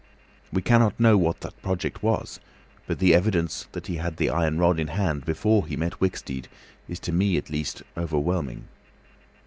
We cannot know what the project was, but the evidence that he had the iron rod in hand before he met Wicksteed is to me at least overwhelming.